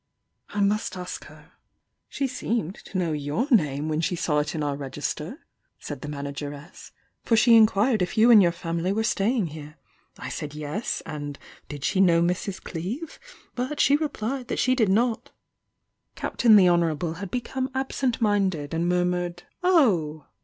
I must ask her." "She seemed to know your name when she saw 384 THE YOUNG DIANA m i) I ;! it in our register," said the manageress, "for she inquired if you and your family were staying here. I said 'Yes'— and 'did she know Mrs. Cleeve?'— but she replied that she did not." Captain the Honourable had become absent mind ed, and murmured "Oh!"